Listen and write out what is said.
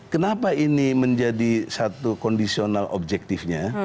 kenapa ini menjadi satu kondisional objektifnya